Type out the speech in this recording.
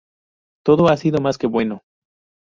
Todo ha sido más que bueno".